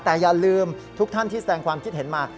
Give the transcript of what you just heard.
แต่อย่าลืมทุกท่านที่แสดงความคิดเห็นมา